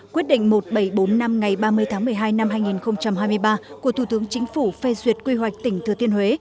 quyết định một nghìn bảy trăm bốn mươi năm ngày ba mươi tháng một mươi hai năm hai nghìn hai mươi ba của thủ tướng chính phủ phê duyệt quy hoạch tỉnh thừa thiên huế